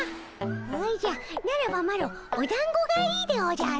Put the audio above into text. おじゃならばマロおだんごがいいでおじゃる。